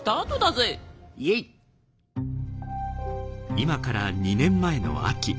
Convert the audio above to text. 今から２年前の秋。